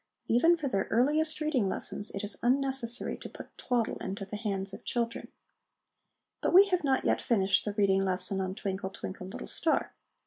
Even for their earliest reading lessons, it is unnecessary to put twaddle into the hands of children. But we have not yet finished the reading lesson on 'Twinkle, twinkle, little star.'